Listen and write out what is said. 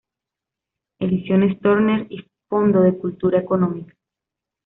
Ediciones Turner y Fondo de Cultura Económica.